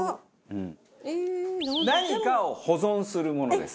何かを保存するものです。